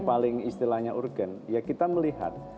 paling istilahnya urgen ya kita melihat